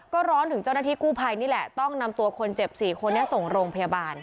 ก็ร้อนถึงเจ้าหน้าที่กู้ภัยนี่แหละต้องนำตัวคนเจ็บ๔คนนี้ส่งโรงพยาบาล